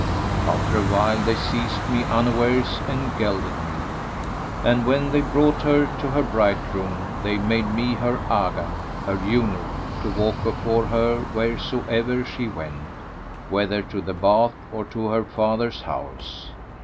[FN#93] After a while they seized me unawares and gelded me; and, when they brought her to her bridegroom, they made me her Agha,[FN#94] her eunuch, to walk before her wheresoever she went, whether to the bath or to her father's house.